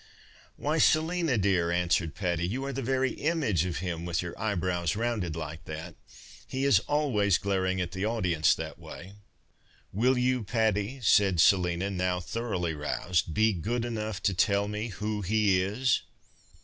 " Why, Selina, dear," answered Patty, " you are the very image of him with your eyebrows rounded like that. He is always glaring at the audience that way." " Will you, Patty," said Selina, now thoroughly roused, " be good enough to tell me who he is